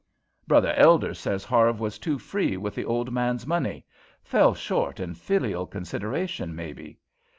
"Brother Elder says Harve was too free with the old man's money fell short in filial consideration, maybe.